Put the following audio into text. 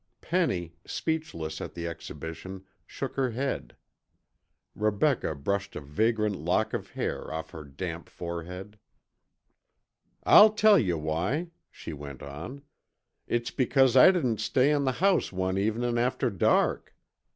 Penny, speechless at the exhibition, shook her head. Rebecca brushed a vagrant lock of hair off her damp forehead. "I'll tell yuh why," she went on. "It's because I didn't stay in the house one evenin' after dark.